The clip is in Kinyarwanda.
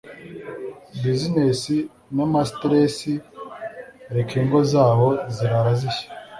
business n'amastress reka ingo zabo zirara zishya